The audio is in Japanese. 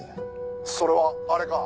「それはあれか？」